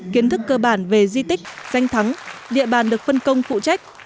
kiến thức cơ bản về di tích danh thắng địa bàn được phân công phụ trách